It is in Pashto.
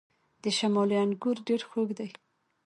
د شمالی انګور ډیر خوږ دي.